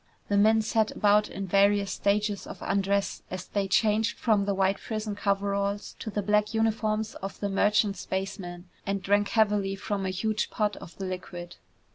The men sat about in various stages of undress as they changed from the white prison coveralls to the black uniforms of the merchant spaceman, and drank heavily from a huge pot of the liquid.